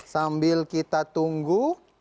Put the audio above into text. sambil kita tunggu